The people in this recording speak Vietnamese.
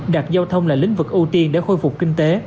đặt giao thông là lĩnh vực ưu tiên để khôi phục kinh tế